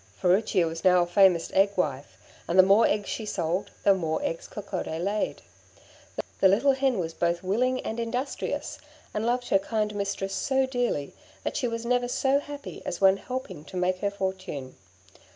Furicchia was now a famous egg wife, and the more eggs she sold, the more eggs Coccodé laid. The little hen was both willing and industrious, and loved her kind mistress so dearly that she was never so happy as when helping to make her fortune.